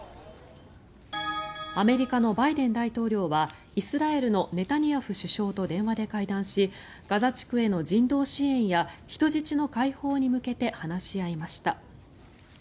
アメリカのバイデン大統領はイスラエルのネタニヤフ首相と電話で会談しガザ地区への人道支援や人質の解放に向けて話し合いました。